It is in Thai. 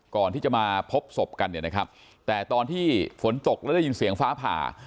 ก่อนที่จะมาพบศพกันเนี่ยนะครับแต่ตอนที่ฝนตกแล้วได้ยินเสียงฟ้าผ่า